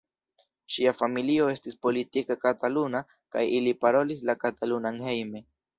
Ŝia familio estis politike kataluna kaj ili parolis la katalunan hejme.